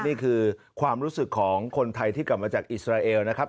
นี่คือความรู้สึกของคนไทยที่กลับมาจากอิสราเอลนะครับ